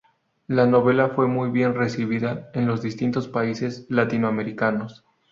La novela fue muy bien recibida en los distintos países latinoamericanos.